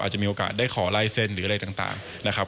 จะมีโอกาสได้ขอลายเซ็นหรืออะไรต่างนะครับ